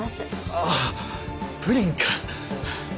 ああプリンか。